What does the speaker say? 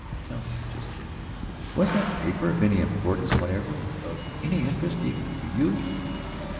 Tell me just this: Was that paper of any importance whatever, of any interest even, to you?"